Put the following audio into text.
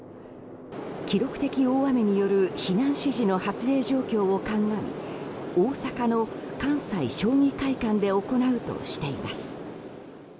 記録的大雨による避難指示の発令状況を考え大阪の関西将棋会館で行うとしています。